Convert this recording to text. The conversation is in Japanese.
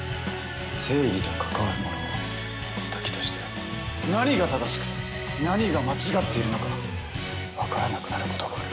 正義と関わる者は時として何が正しくて何が間違っているのか分からなくなることがある。